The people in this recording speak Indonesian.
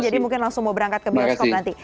jadi mungkin langsung mau berangkat ke bioskop nanti